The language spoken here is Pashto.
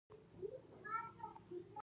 ګوبی ميده وي.